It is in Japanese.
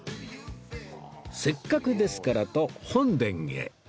せっかくですからと本殿へ